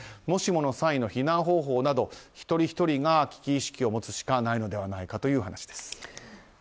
もしもの際の避難方法など一人ひとりが危機意識を持つしかないのではないかという話です。